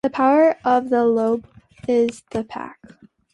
The Power of the Lobo is the Pack.